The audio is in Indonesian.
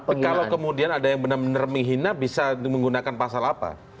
tapi kalau kemudian ada yang benar benar menghina bisa menggunakan pasal apa